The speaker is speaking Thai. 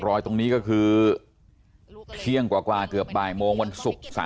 ตรงนี้ก็คือเที่ยงกว่าเกือบบ่ายโมงวันศุกร์